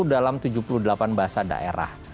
dalam tujuh puluh delapan bahasa daerah